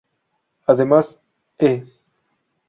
Además, E!